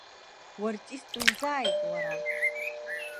Уартистымзааит, уара?!